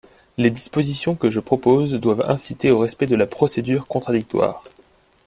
Les dispositions que je propose doivent inciter au respect de la procédure contradictoire.